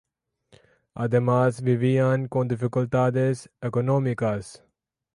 Además, vivían con dificultades económicas.